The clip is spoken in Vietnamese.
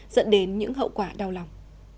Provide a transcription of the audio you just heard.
dẫn đến những hậu quả đau lòng